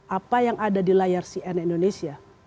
apa yang ada di layar cnn indonesia